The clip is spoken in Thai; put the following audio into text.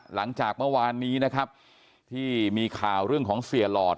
หลังจากเมื่อวานนี้นะครับที่มีข่าวเรื่องของเสียหลอด